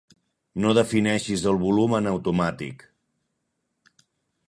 No defineixis el volum en automàtic.